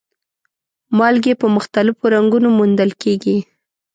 مالګې په مختلفو رنګونو موندل کیږي.